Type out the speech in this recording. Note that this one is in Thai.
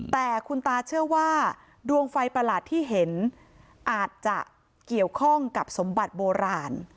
แต่คุณตาเชื่อว่าดวงไฟประหลาดที่เห็นอาจจะเกี่ยวข้องกับสมบัติโบราณ